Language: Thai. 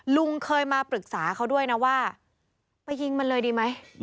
ลุงเคยมาปรึกษาเขาด้วยนะว่าไปยิงมันเลยดีไหม